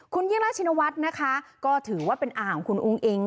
คุณยิ่งลักษณวัสนะคะก็ถือว่าเป็นอาหารของคุณอุ้งอิง